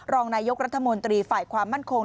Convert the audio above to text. รองนายกรัฐมนตรีฝ่ายความมั่นคง